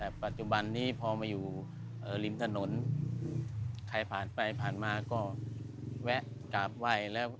แต่ปัจจุบันนี้พอมาอยู่ริมถนนใครผ่านไปผ่านมาก็แวะกราบไหว้แล้ว